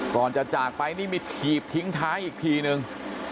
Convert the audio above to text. ก่อนจะจากไปนี่มีถีบทิ้งท้ายอีกทีนึง